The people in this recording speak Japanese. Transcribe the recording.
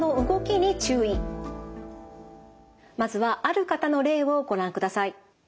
まずはある方の例をご覧ください。